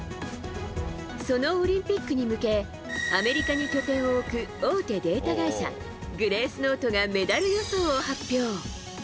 そのオリンピックに向けアメリカに拠点を置く大手データ会社グレースノートがメダル予想を発表。